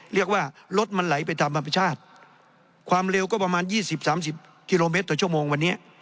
เรียกว่ารถมันไหลไปตามธรรมชาติความเร็วก็ประมาณ๒๐๓๐กิโลเมตรต่อชั่วโมงวันนี้